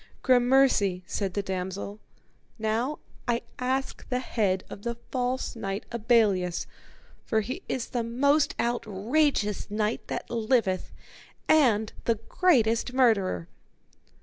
Gramercy, said the damosel; now I ask the head of the false knight Abelleus, for he is the most outrageous knight that liveth, and the greatest murderer.